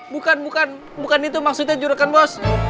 bukan bukan bukan itu maksudnya juragan bos